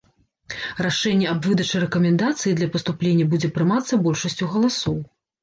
Рашэнне аб выдачы рэкамендацыі для паступлення будзе прымацца большасцю галасоў.